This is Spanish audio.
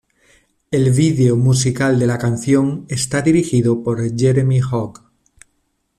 El video musical de la canción está dirigido por Jeremy Hogg.